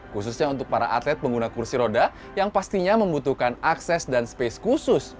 khususnya untuk para atlet pengguna kursi roda yang pastinya membutuhkan akses dan space khusus